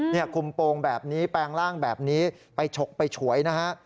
คุมโปรงแบบนี้แปลงร่างแบบนี้ไปฉกไปฉวยนะฮะ